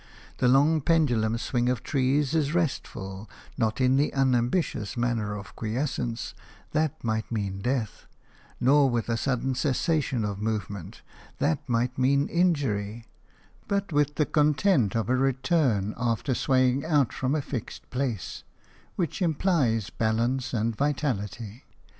The long pendulum swing of trees is restful, not in the unambitious manner of quiescence – that might mean death; nor with a sudden cessation of movement – that might mean injury; but with the content of a return after swaying out from a fixed place, which implies balance and vitality.